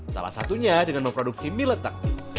salah satunya dengan memproduksi mie letak